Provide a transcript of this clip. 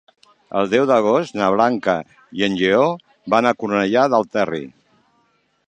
El deu d'agost na Blanca i en Lleó van a Cornellà del Terri.